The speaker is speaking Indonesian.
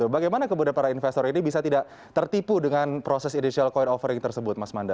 bagaimana kemudian para investor ini bisa tidak tertipu dengan proses initial coin offering tersebut mas manda